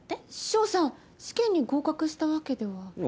翔さん試験に合格したわけでは？